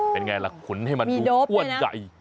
เป็นไงล่ะขุนให้มันดูคั่วใหญ่